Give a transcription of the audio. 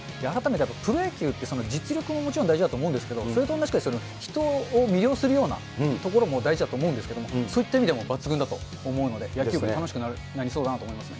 プロ野球って実力も大事だと思うんですけど、それと同じく人を魅了するようなところも大事だと思うんですけれども、そういった意味でも抜群だと思うので、野球界楽しみだと思いますね。